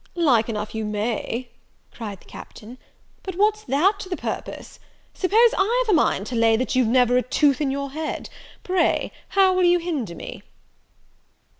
"Like enough you may," cried the Captain;" but what's that to the purpose? Suppose I've a mind to lay that you've never a tooth in your head pray, how will you hinder me?"